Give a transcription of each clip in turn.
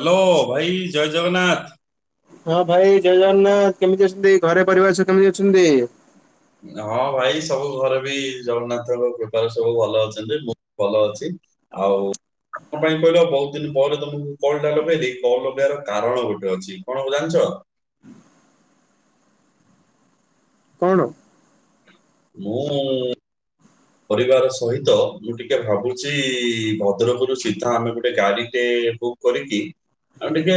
Hello ଭାଇ ଜୟ ଜଗନ୍ନାଥ। ହଁ ଭାଇ ଜୟ ଜଗନ୍ନାଥ। କେମିତି ଅଛନ୍ତି ଘରେ ପରିବାର ସହ କେମିତି ଅଛନ୍ତି? ହଁ ଭାଇ ସବୁ ଘରେ ବି ଜଗନ୍ନାଥଙ୍କ କୃପାରେ ସବୁ ଭଲ ଅଛନ୍ତି। ମୁଁ ଭଲ ଅଛି। ଆଉ କଣ ପାଇଁ କହିଲ ବହୁତ ଦିନ ପରେ ତମକୁ କଲ ଟା ଲେଗେଇଲି କଲ ଲଗାଇବାର କାରଣ ଗୋଟେ ଅଛି କଣ ଜାଣିଛ। କଣ ମୁଁ ପରିବାର ସହିତ ମୁଁ ଟିକେ ଭାବୁଛି ଭଦ୍ରକରୁ ସିଧା ଆମେ ଗୋଟେ ଗାଡିଟେ ବୁକ କରିକିି ଆମେ ଟିକେ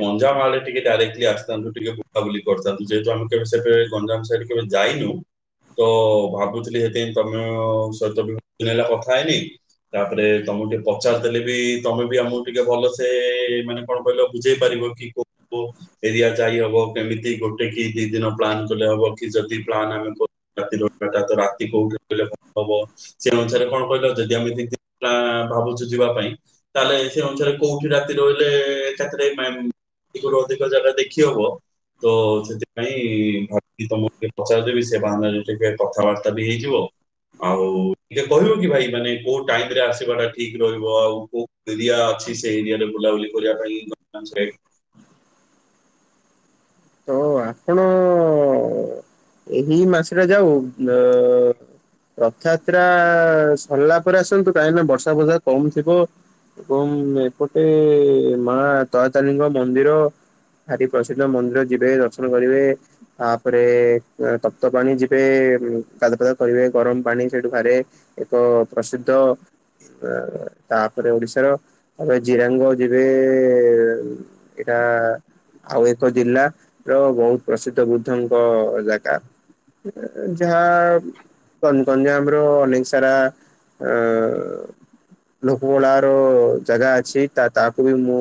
ଗଞ୍ଜାମ ଆଡେ ଟିକେ ଡାଇରେକ୍ଟଲି ଆସିଥାନ୍ତୁ ଟିକେ ବୁଲାବୁଲି କରିଥାନ୍ତୁ ଯେହେତୁ ଆମେ ସେବେ ଗଞ୍ଜାମ ସାଇଡ କେବେ ଯାଇନୁ ତ ଭାବୁଥିଲି ସେଥିପାଇଁ ତମେ ଆ ସୈତ ବିଭିନ ହେଲା କଥା ହେଏନି। ତାପରେ ତମକୁ ଟିକେ ପଚାର ଦେଲେ ବି ତମେ ବି ଆମକୁ ଟିକେ ଭଲସେ ମାନେ ଆପଣ କହିଲେ ବୁଝେଇ ପାରିବ କି କ ଏରିଆ ଯାଇ ହବ କେମିତି ଗୋଟେ କି ଦି ଦିନ ପ୍ଲାନ୍ କଲେ ହବ କି ଯଦି ପ୍ଲାନ୍ ଆମେ କର ରାତି ଦା ରାତି କୋହୁଠ ଭ ହବ ସେ ଅନୁସାରେ କଣ କହିଲ ଯଦି ଆମେ ଭାବୁଛୁ ଯିବା ପାଇଁ ତାହେଲେ ସେ ଅନୁସାରେ କୋଉଠି ରାତି ରହିଲେ ଚାକିରେ ଦଗରୁ ଅଧିକ ଜାଗା ଦେଖି ହବ। ତ ସେଥିପାଇଁ ଭାବି ତମକୁ ପଚାରିଦବି ସେ ବାହାନାରେ ଟିକେ କଥାବାର୍ତ୍ତା ବି ହେଇଯିବ। ଆଉ ଟିକେ କହିବ କି ଭାଇ ମାନେ କୋଉ ଟାଇମ ରେ ଆସିବା ଟା ଠିକ ରହିବ ଆଉ କୋଉ ଏରିଆ ଅଛି ସେ ଏରିଆରେ ବୁଲାବୁଲି କରିବା ପାଇଁ ହ ଆପଣ ଏହି ମାସଟା ଯାଉ ରଥଯାତ୍ରା ସରିଲା ପରେ ଆସନ୍ତୁ କାହିଁକି ନା ବର୍ଷା ବଷା କମ ଥିବ। ଏବଂ ଏପଟେ ମା ତାରତାଳୀଙ୍କ ମନ୍ଦିର ଭାରି ପ୍ରସିଦ୍ଧ ମନ୍ଦିର ଯିବେ ଦର୍ଶନ କରିବେ। ତାପରେ ତପ୍ତ ପାଣି ଯିବେ ଗାଧୁ ପାଦ କରିବେ ଗରମ ପାଣି ସେଇଠୁ ବାରେ ଏକ ପ୍ରସିଦ୍ଧ। ତାପରେ ଓଡିଶାର ଆମେ ଜିରାଙ୍ଗ ଯିବେ। ଏଇଟା ଆଉ ଏକ ଜିଲ୍ଲା। ର ବହୁତ ପ୍ରସିଦ୍ଧ ବୁଦ୍ଧଙ୍କ ଜାଗା ଯାହା ଗଞ୍ଜାମ ର ଅନେକ ସାରା ଅ ଲୋକପଳ ର ଜାଗା ଅଛି। ତାକୁ ବି ମୁଁ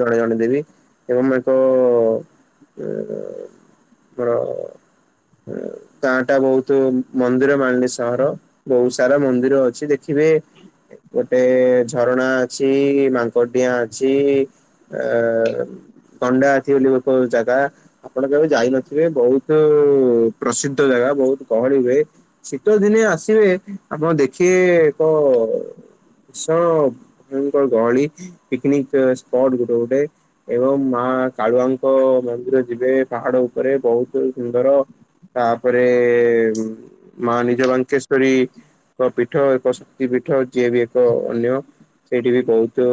ଜଣେ ଜଣେଇ ଦେବି। ଏବଂ ଏକ ରେଏ ଆମର ଗା ଟା ବହୁତ ମନ୍ଦିର ମାଣିଲି ସହର ବହୁତ ସାରା ମନ୍ଦିର ଅଛି ଦେଖିବେ। ଗୋଟେ ଝରଣା ଅଛି ମାଙ୍କଡିଡିଆ ଅଛି। ଅ କଣ୍ଡା ଅଛି ବୋଲି କ ଜ ଆପଣ କେବେ ଯାଇନଥିବେ ବହୁତ ପ୍ରସିଦ୍ଧ ଜାଗା ବହୁତ ଗହଳି ହୁଏ। ଶୀତ ଦିନେ ଆସିବେ ଆମ ଦେଖିବେ ଏକ ଭୀଷଣ ମୁଁ କଣ ଗହଳି। ପିକନିକ୍ ସ୍ପଟ ଗୋଟେ ଗୋଟେ ଏବଂ ମା କାଳୁଆଙ୍କ ମନ୍ଦର ଯିବେ ପାହାଡ ଉପରେ ବହୁତ ସୁନ୍ଦର। ତାପରେ ମା ନିଜ ବାଙ୍କେଶ୍ଵରୀ। ଏକ ପୀଠ ଏକ ଶକ୍ତି ପୀଠ ଯିଏ ବି ଏକ ଅନ୍ୟ। ସେଇଠି ବି ବହୁତ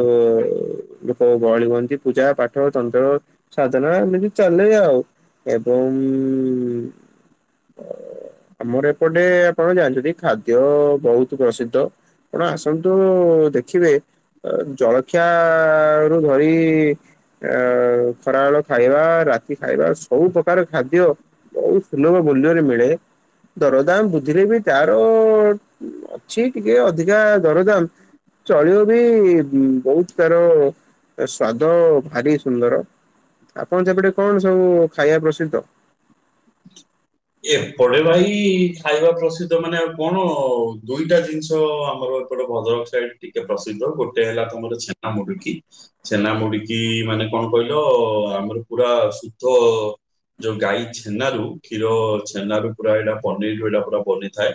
ଲୋକ ଗହଳି ହୁଅନ୍ତି ପୂଜା ପାଠ ତନ୍ତ୍ର। ସାଧନା ଏମିତି ଚାଲେ ଆଉ ଏବଂ ଆମର ଏପଟେ ଆପଣ ଜାଣିଛନ୍ତି ଖାଦ୍ୟ ବହୁତ ପ୍ରସିଦ୍ଧ। ଆପଣ ଆସନ୍ତୁ ଦେଖିବେ ଜଳଖିଆ ରୁ ଧରି ଅ ଖରାବେଳ ଖାଇବା ରାତି ଖାଇବା ସବୁ ପ୍ରକାର ଖାଦ୍ୟ ବହୁତ ସୁଲଭ ମୂଲ୍ୟରେ ମିଳେ। ଦରଦାମ ବୁଦ୍ଧିରେ ବି ତାର ଅଛି ଟିକେ ଅଧିକା ଦରଦାମ। ଚଳିବ ବି ବହୁତ ତାର ସ୍ଵାଦ ଭାରି ସୁନ୍ଦର, ଆପଣ ସେପଟେ କଣ ସବୁ ଖାଇବା ପ୍ରସିଦ୍ଧ? ଏପଡେ ଭାଇ ଖାଇବା ପ୍ରସିଦ୍ଧ ମାନେ କଣ ଦୁଇଟା ଜିନିଷ ଆମର ଏପଟ ଭଦ୍ରକ ସାଇଡ ଟିକେ ପ୍ରସିଦ୍ଧ ଗୋଟେ ହେଲା ତମର ଛେନା ମୁଡିକି। ଛେନା ମୁଡିକି ମାନେ କଣ କହିଲ ଆମର ପୁରା ସୁଧ ଯୋଉ ଗାଈ ଛେନାରୁ କ୍ଷୀର ଛେନାରୁ ପୁରା ଆଇଲା। ପନିରରୁ ଏଇଟା ପୁରା ବନିଥାଏ।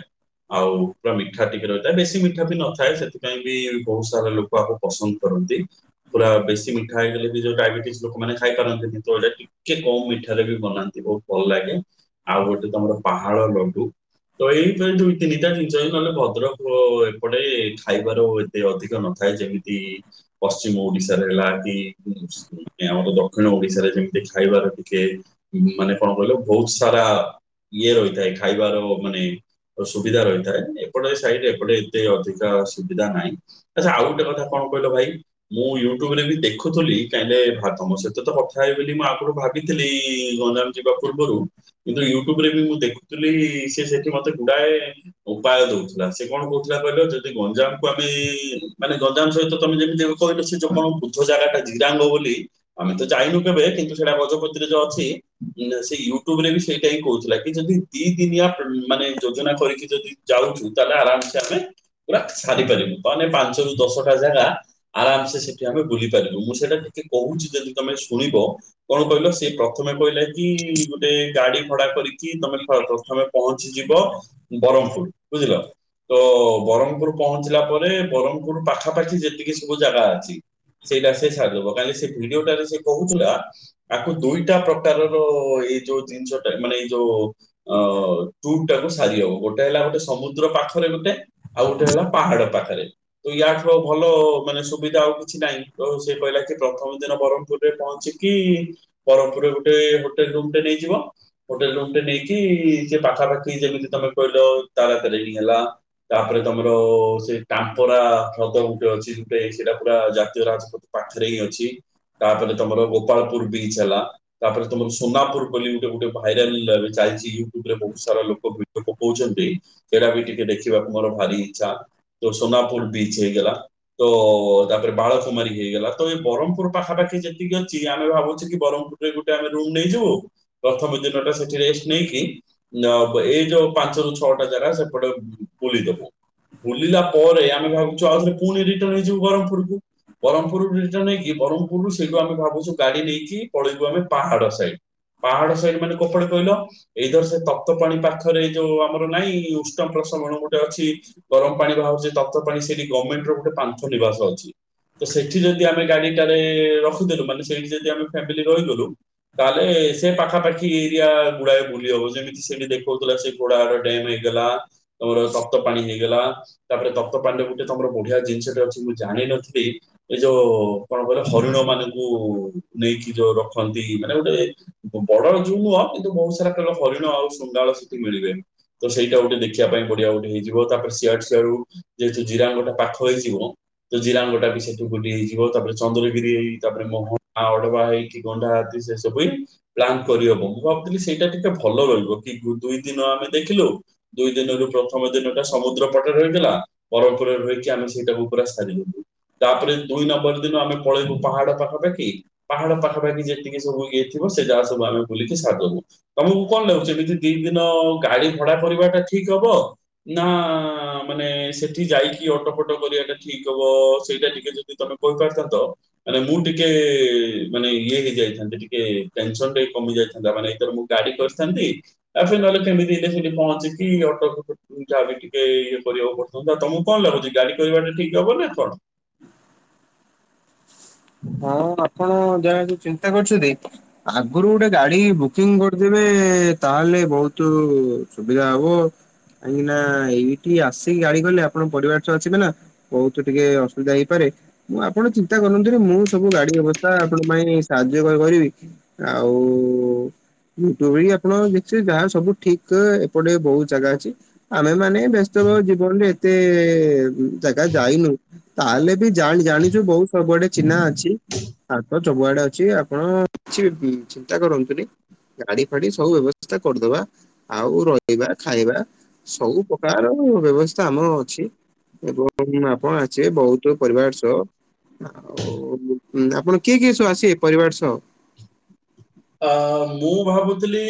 ଆଉ ପୁରା ମିଠା ଟିକେ ରହିଥାଏ ବେଶୀ ମିଠା ବି ନଥାଏ ସେଥିପାଇଁ କି ବହୁତ ସାରା ଲୋକ କ ଆକୁ ପସନ୍ଦ କରନ୍ତି, ପୁରା ବେଶୀ ମିଠା ହେଇଗଲେ କି ଯୋଉ ଡାଇବେଟିସ ଲୋକମାନେ ଖାଇ ପାରନ୍ତିନି କିନ୍ତୁ ଏଇଟା କିଏ କୋଉ ମିଠାରେ ବି ବନାନ୍ତି ବହୁତ ଭଲ ଲାଗେ ଆଉ ଗୋଟେ ତମର ପାହାଳ ଲଡୁ? ତ ଏଇ ପ୍ରାୟ ଦୁଇ ତିନିଟା ଜିନିଷ ନହେଲେ ଭଦ୍ରକ ଏପଟେ ଖାଇବାର ହୁଏ ଏ ଅଧିକ ନଥାଏ ଯେମିତି ପଶ୍ଚିମ ଓଡିଶାରେ ହେଲା କି ମାନେ ଆମର ଦକ୍ଷିଣ ଓଡିଶାରେ ଯେମିତି ଖାଇବାର ଟିକେ ମାନେ କଣ କହିଲ ବହୁତ ସାରା। ଇଏ ରହିଥାଏ ଖାଇବାର ମାନେ ସୁବିଧା ରହିଥାଏ ଏପଟେ ସାଇଡ ଏପଟେ ଏତେ ଅଧିକା ସୁବିଧା ନାହିଁ। ଆଛା ଆଉ ଗୋଟେ କଥା କଣ କହିଲ ଭାଇ? ମୁଁ ୟୁଟ୍ୟୁବ ରେ ବି ଦେଖୁଥିଲି କାହିଁଯେ ତମ ସହିତ ତ କଥା ହେବି ବୋଲି ମୁଁ ଆଗରୁ ଭାବିଥିଲି। ଗଞ୍ଜାମ ଯିବା ପୂର୍ବରୁ କିନ୍ତୁ ୟୁଟ୍ୟୁବ ରେ ବି ମୁଁ ଦେଖୁଥିଲି ସିଏ ସେଠି ମତେ ଗୁଡାଏ ଉପାୟ ଦଉଥିଲା ସେ କଣ କହୁଥିଲା କହିଲ ଯଦି ଗଞ୍ଜାମକୁ ଆମେ ମାନେ ଗଞ୍ଜାମ ସହିତ ତମେ ଯେମିତି କହିଲ ସେ ଯୋଉ କଣ ବୁଦ୍ଧ ଜାଗା ଟା ଜିରାଙ୍ଗ ବୋଲି ଆମେ ତ ଯାଇନୁ କେବେ କିନ୍ତୁ ସେଇଟା ଗଜପତିରେ ଯୋଉ ଅଛି ସେ ୟୁଟ୍ୟୁବ ରେ ବି ସେଇଟା ହିଁ କହୁଥିଲା କି ଯଦି ଦି ଦିନିଆ ମାନେ ଯୋଜନା କରିକି ଯଦି ଯାଉଛୁ ତାହେଲେ ଆରାମସେ ଆମେ ପୁରା ସାରିପାରିବୁ ତାହେଲେ ପାଞ୍ଚରୁ ଦଶଟା ଜାଗା। ଆରାମସେ ସେଠି ଆମେ ବୁଲି ପାରିବୁ, ମୁଁ ସେଇଟା ଟିକେ କହୁଛି ଯଦି ତମେ ଶୁଣିବ? କଣ କହିଲ ସେ ପ୍ରଥମେ କହିଲା କି ଗୋଟେ ଗାଡି ଭଡା କରିକି ତମେ ଫଳ ପ୍ରଥମେ ପହଞ୍ଚିଯିବ ବ୍ରହ୍ମପୁର ବୁଝିଲ? ତ ବ୍ରହ୍ମପୁର ପହଞ୍ଚିଲା ପରେ ବ୍ରହ୍ମପୁର ପାଖାପାଖି ଯେତିକି ସବୁ ଜାଗା ଅଛି। ସେଇଟା ସିଏ ସାରିଦବ କାଲି ସେ ଭିଡିଓ ଟାରେ ସେ କହୁଥିଲା? ତାକୁ ଦୁଇଟା ପ୍ରୋଟାରର ଏଇ ଯୋଉ ଜିନିଷ ଟା ମାନେ ଏଇ ଯୋଉ ଅ ଟୁର ଟାକୁ ସାରି ହବ, ଗୋଟେ ହେଲା ଗୋଟେ ସମୁଦ୍ର ପାଖରେ ଗୋଟେ। ଆଉ ଗୋଟେ ହେଲା ପାହାଡ ପାଖରେ। ତ ୟାଠୁ ଆଉ ଭଲ ମାନେ ସୁବିଧା ଆଉ କିଛି ନାହିଁ ତ ସେ କହିଲା କି ପ୍ରଥମ ଦିନ ବ୍ରହ୍ମପୁରରେ ପହଞ୍ଚି କି ବ୍ରହ୍ମପୁରରେ ଗୋଟେ ହୋଟେଲ ରୁମ ଟେ ନେଇଯିବ। ହୋଟେଲ ରୁମଟେ ନେଇକି ସେ ପାଖାପାଖି ଯେମିତି ତମେ କହିଲ ତାରା ତାରିଣୀ ହେଲା। ତାପରେ ତମର ସେ ଟାମ୍ପରା ହ୍ରଦ ଗୋଟେ ଅଛି ସେଇଟା ପୁରା ଜାତୀୟ ରାଜପଥ ପାଖରେ ହିଁ ଅଛି ତାପରେ ତମର ଗୋପାଳପୁର ବିଚ ହେଲା, ତାପରେ ତମର ସୋନାପୁର ବୋଲି ଗୋଟେ ଗୋଟେ ଭାଇରାଲ ଚାଲିଛି ୟୁଟ୍ୟୁବ ରେ ବହୁତ ସାରା ଲୋକ ଭିଡିଓ ପକଉଛନ୍ତି। ସେଇଟା ବି ଟିକେ ଦେଖିବାକୁ ମୋର ଭାରି ଇଚ୍ଛା ତୋ ସୋନାପୁର ବିଚ ହେଇଗଲା। ତ ତାପରେ ବାଳକୁମାରୀ ହେଇଗଲା, ତ ଏଇ ବ୍ରହ୍ମପୁର ପାଖାପାଖି ଯେତିକି ଅଛି ଆମେ ଭାବୁଛ କି ବ୍ରହ୍ମପୁର ଗୋଟେ ଗୋଟେ ଆମେ ରୁମ ନେଇଚୁ ପ୍ରଥମ ଦିନଟା ସେଠି ରେଷ୍ଟ ନେଇକି [unintelligible] ଏଇ ଯୋଉ ପାଞ୍ଚରୁ ଛଅଟା ଜାଗା ସେପଟେ ବୁଲିଦବୁ। ବୁଲିଲା ପଅରେ ଆମେ ଭାବୁଚୁ ଆଉଥରେ ପୁଣି ରିଟନ୍ ହେଇଯିବ ବ୍ରହ୍ମପୁରକୁ। ବ୍ରହ୍ମପୁର ରୁ ଜିନିଷ ନେଇକି ବ୍ରହ୍ମପୁରରୁ ସେଇଟୁ ଆମେ ଭାବୁଚୁ ଗାଡି ନେଇକି ପଳେଇବୁ ଆମେ ପାହାଡ଼ ସାଇଟ। ପାହାଡ ସାଇଟ୍ ମାନେ କୋଉପଟେ କହିଲ। ଏଇ ଧର ସେ ତପ୍ତ ପାଣି ପାଖରେ ଏଇ ଯୋଉ ଆମର ନାଇଁ ଉଷ୍ଣ ପ୍ରସବଣ ଗୋଟେ ଅଛି। ଗରମ ପାଣି ବାହାରୁଚି ତପ୍ତ ପାଣି ସେଟି ଗମେଣ୍ଟ ର ଗୋଟେ ପାନ୍ଥ ନିବାସ ଅଛି। ତ ସେଠି ଯେଦି ଆମେ ଗାଡିଟାନେଇ ରଖିଦେଲୁ ମାନେ ସେଇଟି ଯଦି ଆମେ ଫ୍ୟାମିଲି ରହିଗଲୁ ତାହେଲେ ସେ ପାଖାପାଖି ଏରିଆ ଗୁଡାଏ ବୁଲି ହବ ଯେମିତି ସିଏବି ଦେଖାଉଥିଲା ସେ ଘୋଡ ଡ୍ୟମ୍ ହେଇଗଲା ତମର ତପ୍ତ ପାଣି ହେଇଗଲା। ତାପରେ ତପ୍ତ ପାଣିରେ ଗୋଟେ ତମର ବଢିଆ ଜିନିଷଟେ ଅଛି ମୁଁ ଜାଣିିନଥିଲି ଏଇ ଯୋଉ କଣ କହିଲ ହରିଣ ମାନଙ୍କୁ ନେଇକି ଯୋଉ ରଖନ୍ତି ମାନେ ଗୋଟେ ବଡର ଜୁଉ ନୁହଁ କିନ୍ତୁ ବହୁତ ସାରା କଳ ହରିଣ ଆଉ ଶୃଗା ଳ ସେଠି ମିଳିବେ। ତ ସେଇଟା ଗୋଟେ ଦେଖିବା ପାଇଁ ବଢିଆ ବଢିଆବି ତାପରେ ସିଆଡୁ ସିଆଡୁ ଯେହେତୁ ଜିରାମ୍ ଗୋଟେ ପାଖ ହେଇଯିବ ତ ଜିରାମ୍ ଗୋଟା ବି ସେଠୁ ଗୋଟିଏ ହେଇଯିବ ତାପରେ ଚନ୍ଦ୍ରଗିରି ହେଇ ତାପରେ ମ ଅଡବା ହେଇ କି ଗଣ୍ଡା ଆଦି ସେ ସବୁ ବି ପ୍ଲାନ୍ କରିହବ ମୁଁ ଭାବୁଥିଲି ସେଇଟା ଟିକେ ଭଲ ରହିବ କି ଦୁଇ ଦିନ ଆମେ ଦେଖିଲୁ ଦୁଇ ଦିନରୁ ପ୍ରଥମ ଦିନ ଟା ସମୁଦ୍ର ପଟ ରହିଥିଲା। ତଳ ଉପର ରହିକି ଆମେ ସେଇଟାକୁ ପୁରା ସାରି ଦେଲୁ। ତାପରେ ଦୁଇ ନମ୍ବର ଦିନ ଆମେ ପଳେଇବୁ ପାହାଡ ପାଖାପାଖି ପାହାଡ଼ ପାଖା ପାଖି ଯେତିକି ସବୁ ଇଏଥିବ ସେ ଜାଗା ସବୁ ଆମେ ବୁଲିକି ସାରଦବୁ। ତମକୁ କଣ ଲାଗୁଚି ଏମିତି ଦି ଦିନ ଗାଡି ଭଡା କରିବା ଟା ଠିକ ହବ ନା ମାନେ ସେଠି ଯାଇକି ଅଟୋଫଟ କରିବା ଟା ଠିକ ହବ ସେଇଟା ଟିକେ ଜା ଯେ ତମେ କହିପାରିଥାନ୍ତ ମାନେ ମୁଁ ଟିକେ ମାନେ ଇଏ ହେଇ ଯାଇଥାନ୍ତେ ଟିକେ ଟେନସନ ଟେ କମି ଯାଇଥାନ୍ତା ମାନେ ଏଥର ମୁଁ ଗାଡି କରିଥାନ୍ତି ଆଛା ନ ହେଲେ କେମିତି ଏଟା ସେଟି ପହଁଚିକି ଅଟ ଫଟ ଯାହା ବି ଟିକେ ଇଏ କରିବାକୁ ପଡ଼ିଥାନ୍ତା ତମକୁ କଣ ଲାଗୁଚି ଗାଡି କରିବାଟା ଠିକ ହବ ନା କଣ। ହଁ ଆପଣ ଯାହା ବି ଚିନ୍ତା କରିଚନ୍ତି ଆଗରୁ ଗୋଟେ ଗାଡି ବୁକିଂ କରିଦେବେ ତାହେଲେ ବୋହୁତୁ ସୁବିଧା ହବ। କାଁଇକି ନା ଏଇଟି ଆସିକି ଗାଡି କଲେ ଆପଣ ପରିବାର ସ ଆସିବେ ନା ବୋହୁତ ଟିକେ ଅସୁବିଧା ହେଇପାରେ ମୁଁ ଆପଣ ଚିନ୍ତା କରନ୍ତୁନି ମୁଁ ସବୁ ଗାଡି ବ୍ୟବସ୍ଥା ଆପଣଙ୍କ ପାଇଁ ସାହାଯ୍ୟ କ କରିବି ଆଉ ଦୋଳି ଆପଣ ଦେଖିବେ ଯାହା ସବୁ ଠିକ ଏପଟେ ବୋହୁତ ଜାଗା ଅଛି ଆମେମାନେ ବ୍ୟସ୍ତ ବ ଜୀବନରେ ଏତେ ଜାଗା ଯାଇନୁ ତାହେଲେ ବି ଜାଣି ଜାଣିଚୁ ବୋହୁତ ସବୁଆଡେ ଚିହ୍ନା ଅଛି। ହାତ ସବୁଆଡେ ଅଛି ଆପଣ କିଛି ବି ଚିନ୍ତା କରନ୍ତୁନି। ଗାଡି ଫାଡି ସବୁ ବ୍ୟବସ୍ଥା କରିଦବା। ଆଉ ରହିବା ଖାଇବା ସବୁ ପ୍ରକାର ବ୍ୟବସ୍ଥା ଆମର ଅଛି। ଏବଂ ଆପଣ ଆଛି ଏ ବୋହୁତୁ ପରିବାର ସହ ଆଉ ଉଁ ଆପଣ କିଏ କିଏ ସବୁ ଆସିବେ ପରିବାର ସହ। ଆ ମୁଁ ଭାବୁଥିଲି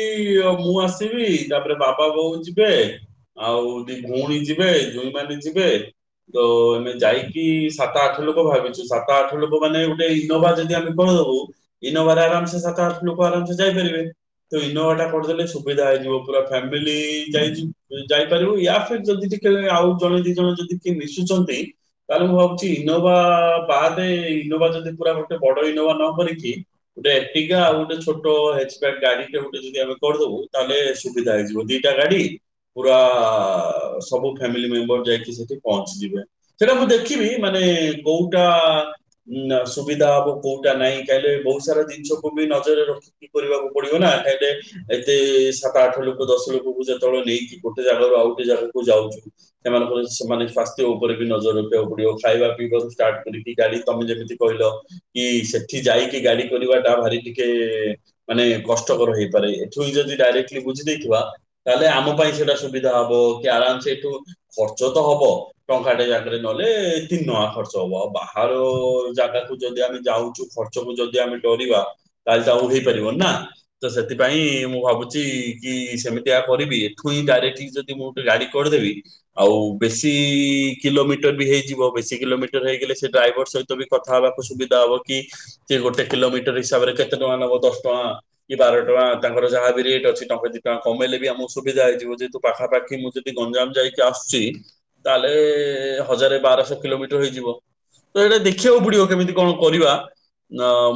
ମୁଁ ଆସିବି ତାପରେ ବାବା ବୋଉ ଯିବେ ଆଉ ଦି ଭୋଉଣୀ ଯିବେ ଯୋଇଁ ମାନେ ଯିବେ ତ ଆମେ ଯାଇକି ସାତ ଆଠ ଲୋକ ଭାବିଚୁ ସାତ ଆଠ ଲୋକ ମାନେ ଗୋଟେ ଇନୋଭା ଯଦି ଆମେ କଦବୁ ଇନୋଭାରେ ଆରାମସେ ସାତ ଆଠ ଲୋକ ଆରାମସେ ଯାଇପାରିବେ। ତ ଇନୋଭା ଟା କରିଦେଲେ ସୁବିଧା ହେଇଯିବ ପୁରା ଫାମିଲି ଯାଇଚୁ ଯାଇପାରିବୁ ୟା ଫିର୍ ଯଦି ଟି କେ ଆଉ ଜଣେ ଦି ଜଣ ଯଦି କିଏ ମିଶୁଚନ୍ତି ତାହେଲେ ମୁଁ ଭାବୁଚି ଇନୋଭା ବାଦେ ଇନୋଭା ଯଦି ପୁରା ଗୋଟେ ବଡ ଇନୋଭା ନ କରିକି ଗୋଟେ ଏଟିଗା ଆଉ ଗୋଟେ ଛୋଟ ହେଚ୍ ବ୍ୟାକ ଗାଡିଟେ ଗୋଟେ ଯଦି ଆମେ କରିଦବୁ ତାହଲେ ସୁବିଧା ହେଇଯିବ। ଦିଟା ଗାଡି ପୁରା ସବୁ ଫ୍ୟାମିଲି ମେମ୍ବର ଯାଇକି ସେଠି ପହଞ୍ଚିଯିବେ। ସେଇଟା ମୁଁ ଦେଖିବି ମାନେ କୋଉଟା ଉଁ ନା ସୁବିଧା ହବ କୋଉଟା ନାଇ। କାଇଁଲେ ବହୁତ ସାରା ଜିନିଷକୁ ବି ନ [unintelligible] ରଖିକି କରିବାକୁ ପଡିବ ନା। ହେଡେ ଏତେ ସାତ ଆଠ ଲୋକ ଦଶ ଲୋକଙ୍କୁ ଯେତେବେଳେ ନେଇକି ଗୋଟେ ଜାଗାରୁ ଆଉ ଗୋଟେ ଜାଗାକୁ ଯାଉଚୁ। ସେମାନଙ୍କର ସେମାନେ ସ୍ଵାସ୍ଥ୍ୟ ଉପରେ ବି ନଜର ରଖିବାକୁ ପଡିବ। ଖାଇବା ପିଇବାରୁ ଷ୍ଟାର୍ଟ କରିକି ଗାଡି ତମେ ଯେମିତି କହିଲ କି ସେଠି ଯାଇକି ଗାଡି କରିବା ଟା ଭାରି ଟି କେ ମାନେ କଷ୍ଟକର ହେଇପାରେ। ଏଠୁ ହିଁ ଯଦି ଡାଇରେକ୍ଟଲି ବୁଝି ଦେଇଥିବା। ତାହେଲେ ଆମ ପାଇଁ ସେଇଟା ସୁବିଧା ହବ। କି ଆରାମ ସେ ଏଠୁ ଖର୍ଚ୍ଚ ତ ହବ। ଟଙ୍କାଟେ ଜାଗାରେ ନଏଲେ ତିନି ଟଙ୍କା ଖର୍ଚ୍ଚ ହବ। ଆଉ ବାହାର ଜାଗାକୁ ଯଦି ଆମେ ଯାଉଛୁ ଖ ଚକୁ ଯଦି ଆମେ ଡରିବା ତାହେଲେ ତ ଆଉ ହେଇପାରିବ ନା। ତ ସେଥିପାଇଁ ମୁଁ ଭାବୁଚି କି ସେମିତିଆ କରିବି। ଏଠୁ ହିଁ ଡାଇରେକ୍ଟ ଯଦି କି ମୁଁ ଗୋଟେ ଗାଡି କରିଦେବି। ଆଉ ବେଶୀ ଇ କିଲୋମିଟର ବି ହେଇଯିବ। ବେଶୀ କିଲୋମିଟର ହେଇଗଲେ ସେ ଡ୍ରାଇଭର ସହି ତ ବି କଥା ହେବାକୁ ସୁବିଧା ହବ। କି କି ଗୋଟେ କିଲୋମିଟର ହିସାବରେ କେତେ ଟଙ୍କା ନବ? ଦଶ ଟଙ୍କା କି ବାର ଟଙ୍କା ତାଙ୍କର ଯାହାବି ରେଟ ଅଛି। ଟଙ୍କା ଦି ଟଙ୍କା କମେଇଲେ ବି ଆମକୁ ସୁବିଧା ହେଇଯିବ। ଯହେତୁ ପାଖାପାଖି ମୁଁ ଯେ ଯଦି ଗଞ୍ଜାମ ଯାଇକି ଆସୁଛି ତାହେଲେ ହଜାରେ ବାରଶହ କିଲୋମିଟର ହେଇଯିବ। ତ ଏଇଟା ଦେଖିବାକୁ ପଡିବ କେମିତି କଣ କରିବା।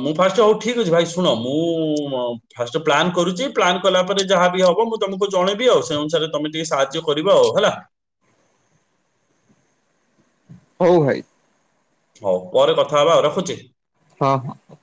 ମୁଁ ଫାଷ୍ଟ ହଉ ଠିକ ଅଛି ଭାଇ ଶୁଣ ମୁଁ ଫାଷ୍ଟ ପ୍ଲାନ୍ କରୁଛି। ପ୍ଲାନ୍ କଲା ପରେ ଯାହାବି ହବ ମୁଁ ତମକୁ ଜଣେଇବି ଆଉ। ସେ ଅନୁସାରେ ତମେ ଟିକେ ସାହାଯ୍ୟ କରିବ ଆଉ ହେଲା। ହୋଉ ଭାଇ। ହଉ ପରେ କଥା ହେବା ଆଉ ରଖୁଛି। ହଁ ହଁ।